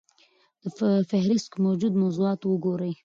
په فهرست کې موجود موضوعات وګورئ.